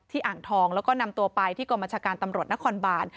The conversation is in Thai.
อ่างทองแล้วก็นำตัวไปที่กรมชาการตำรวจนครบาน